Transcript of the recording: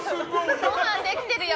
ごはんできてるよ！